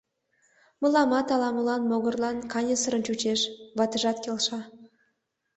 — Мыламат ала-молан могырлан каньысырын чучеш, — ватыжат келша.